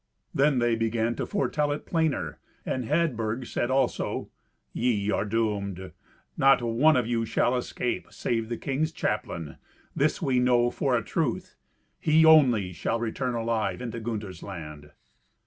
Then they began to foretell it plainer, and Hadburg said also, "Ye are doomed. Not one of you shall escape, save the king's chaplain: this we know for a truth. He, only, shall return alive into Gunther's land."